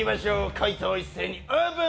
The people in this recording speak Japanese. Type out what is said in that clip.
解答を一斉にオープン！